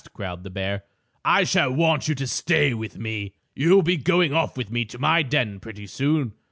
growled the bear. "I shall want you to stay with me. You'll be going off with me to my den, pretty soon.